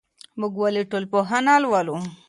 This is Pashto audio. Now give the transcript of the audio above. موږ ولي ټولنپوهنه لولو؟